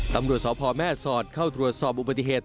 ตำรวจสพแม่สอดเข้าตรวจสอบอุบัติเหตุ